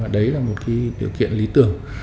đấy là một điều kiện lý tưởng